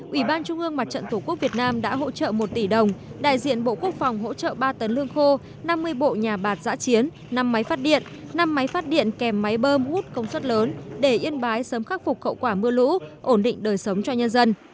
ủy ban trung ương mặt trận tổ quốc việt nam đã hỗ trợ một tỷ đồng đại diện bộ quốc phòng hỗ trợ ba tấn lương khô năm mươi bộ nhà bạc giã chiến năm máy phát điện năm máy phát điện kèm máy bơm hút công suất lớn để yên bái sớm khắc phục hậu quả mưa lũ ổn định đời sống cho nhân dân